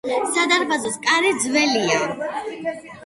სადარბაზოს კარი ძველია.